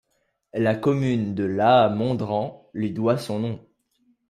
La commune de Laà-Mondrans lui doit son nom.